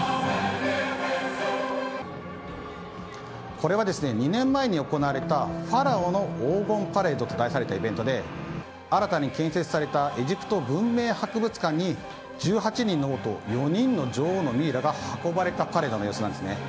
これは、２年前に行われたファラオの黄金パレードと題されたイベントで新たに建設されたエジプト文明博物館に１８人の王と４人の女王のミイラが運ばれた際のパレードの様子なんですね。